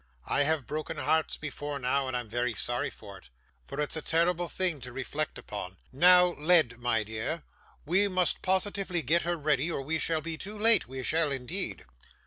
I have broken hearts before now, and I'm very sorry for it: for it's a terrible thing to reflect upon.' 'It is indeed,' said Miss Snevellicci. 'Now Led, my dear, we must positively get her ready, or we shall be too late, we shall indeed.